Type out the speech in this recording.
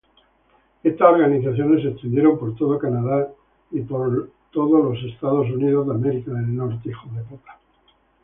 Estas organizaciones se extendieron por todo Canadá y por todo Estados Unidos.